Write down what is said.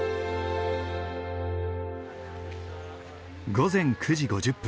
午前９時５０分。